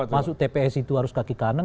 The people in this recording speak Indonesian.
masuk tps itu harus kaki kanan